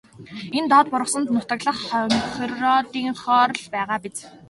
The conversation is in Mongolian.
Энэ доод бургасанд нутаглах хонхироодынхоор л байгаа биз.